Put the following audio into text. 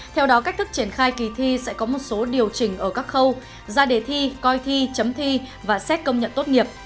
theo đó cách thức triển khai kỳ thi sẽ có một số điều chỉnh ở các khâu ra đề thi coi thi chấm thi và xét công nhận tốt nghiệp